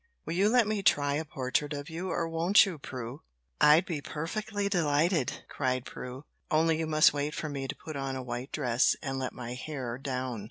"Will you let me try a portrait of you, or won't you, Prue?" "I'd be perfectly delighted," cried Prue. "Only you must wait for me to put on a white dress and let my hair down."